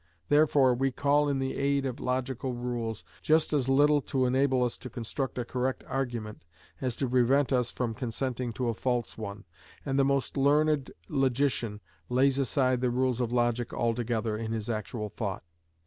Therefore we call in the aid of logical rules, just as little to enable us to construct a correct argument as to prevent us from consenting to a false one, and the most learned logician lays aside the rules of logic altogether in his actual thought.